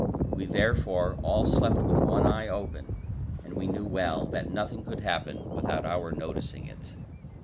We therefore all slept with one eye open, and we knew well that nothing could happen without our noticing it.